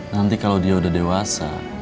nanti kalau dia udah dewasa